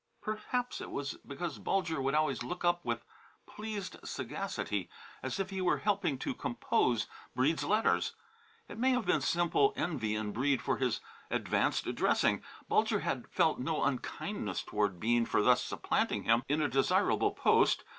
Perhaps it was because Bulger would always look up with pleased sagacity, as if he were helping to compose Breede's letters. It may have been simple envy in Breede for his advanced dressing. Bulger had felt no unkindness toward Bean for thus supplanting him in a desirable post.